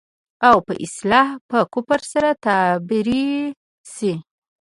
او په اصطلاح په کفر سره تعبير شي.